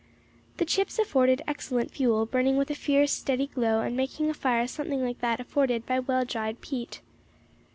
The chips afforded excellent fuel, burning with a fierce, steady glow, and making a fire something like that afforded by well dried peat.